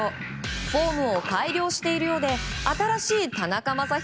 フォームを改良しているようで新しい田中将大